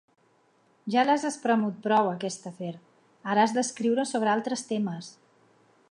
Ja l'has espremut prou, aquest afer: ara has d'escriure sobre altres temes.